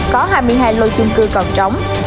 có hai mươi hai lô chung cư còn trống